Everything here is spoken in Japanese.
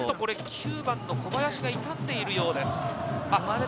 ９番の小林が痛んでいるようです。